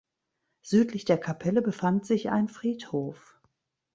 Südlich der Kapelle befand sich ein Friedhof.